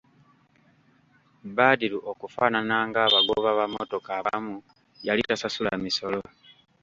Badru okufaanana ng'abagoba ba mmotoka abamu yali tasasula misolo.